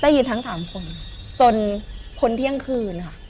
ได้ยินทั้งสามคนจนคนเที่ยงคืนค่ะ